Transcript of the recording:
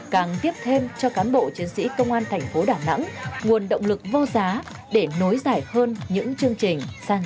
càng tiếp thêm cho cán bộ chiến sĩ công an thành phố đà nẵng nguồn động lực vô giá để nối giải hơn những chương trình san sẻ yêu thương